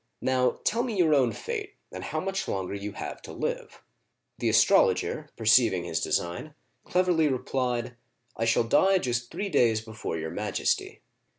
Now, tell me your own fate and how much longer you have to live." The astrologer, perceiving his design, cleverly replied :" I shall die just three days before your Majesty."